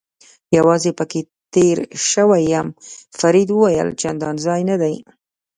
یوازې پکې تېر شوی یم، فرید وویل: چندان ځای نه دی.